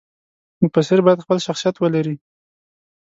مفسر باید خپل شخصیت ولري.